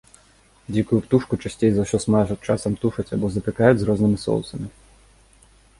Дзікую птушку часцей за ўсё смажаць, часам тушаць або запякаюць з рознымі соусамі.